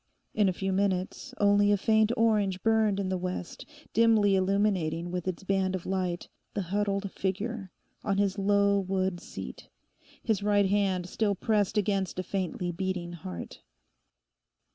In a few minutes, only a faint orange burned in the west, dimly illuminating with its band of light the huddled figure on his low wood seat, his right hand still pressed against a faintly beating heart.